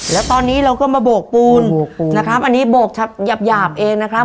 แล้วตอนนี้เราก็มาโบกปูนนะครับอันนี้โบกหยาบเองนะครับ